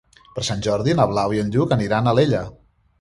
Per Sant Jordi na Blau i en Lluc aniran a Alella.